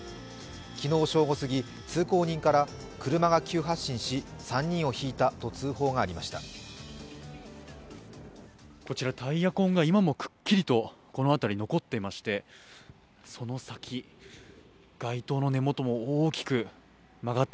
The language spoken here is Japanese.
昨日正午過ぎ、通行人から、車が急発進し３人をひいたと通報がありました。